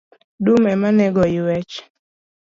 Dum ema nego oyuech.